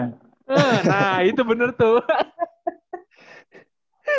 nah itu bener tuh